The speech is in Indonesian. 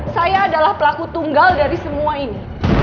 saya adalah pelaku tunggal dari semua ini